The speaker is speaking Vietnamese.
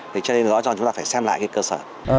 thế cho nên rõ ràng chúng ta phải xem lại cơ sở